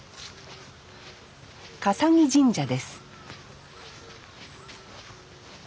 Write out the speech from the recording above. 笠置神社です